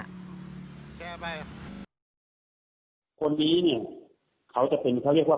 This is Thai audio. แล้วโทรมาใบไล่